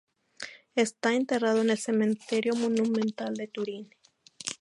Está enterrado en el Cementerio Monumental de Turín.